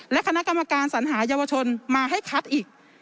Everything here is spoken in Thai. และคณะกรรมการสัญหาเยาวชนมาให้คัดอีก